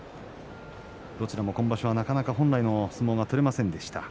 どちらも今場所は、なかなか本来の相撲が取れませんでした。